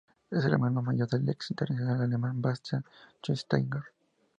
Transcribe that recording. Es el hermano mayor del ex internacional alemán Bastian Schweinsteiger.